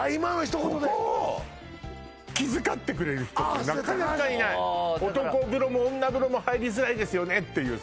ここを気遣ってくれる人ってなかなかいない男風呂も女風呂も入りづらいですよねっていうさ